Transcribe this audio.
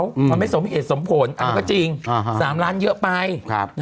มันไม่สมเหตุสมผลอันนั้นก็จริง๓ล้านเยอะไปครับ